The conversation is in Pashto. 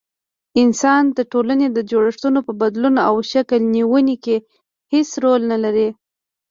انسان د ټولني د جوړښتونو په بدلون او شکل نيوني کي هيڅ رول نلري